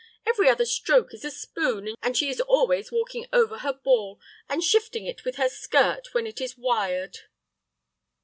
Every other stroke is a spoon, and she is always walking over her ball, and shifting it with her skirt when it is wired."